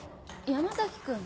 山崎君。